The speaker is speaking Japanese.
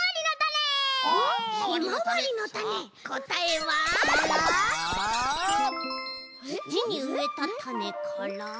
つちにうえたたねから。